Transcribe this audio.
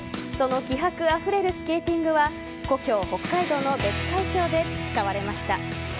その気迫あふれるスケーティングは故郷・北海道の別海町で培われました。